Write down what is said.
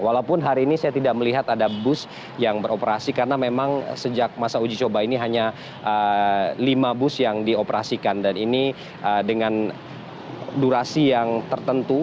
walaupun hari ini saya tidak melihat ada bus yang beroperasi karena memang sejak masa uji coba ini hanya lima bus yang dioperasikan dan ini dengan durasi yang tertentu